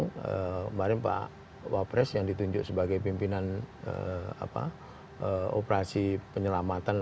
kemarin pak wapres yang ditunjuk sebagai pimpinan operasi penyelamatan